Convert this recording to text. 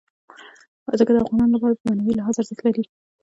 ځمکه د افغانانو لپاره په معنوي لحاظ ارزښت لري.